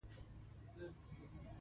حکیمان کوز کوز ورته ګوري.